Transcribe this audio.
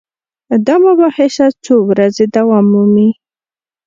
دا مباحثه څو ورځې دوام مومي.